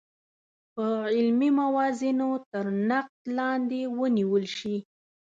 په علمي موازینو تر نقد لاندې ونیول شي.